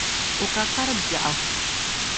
O ka kar'biɛɣu.